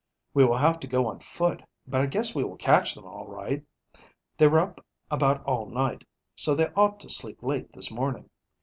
"We will have to go on foot, but I guess we will catch them all right. They were up about all night, so they ought to sleep late this morning."